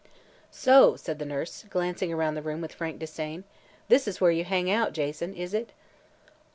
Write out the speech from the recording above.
"So," said the nurse, glancing around the room with frank disdain, "this is where you hang out, Jason, is it?"